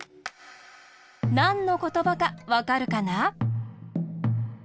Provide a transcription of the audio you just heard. なんのことばかわかるかな？